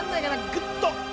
グッと。